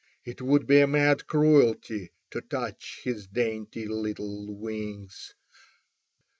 It would be a mad cruelty to touch his dainty little wings.